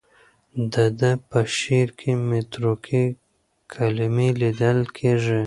د ده په شعر کې متروکې کلمې لیدل کېږي.